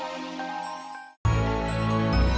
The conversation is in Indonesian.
jangan lupa subscribe channel ini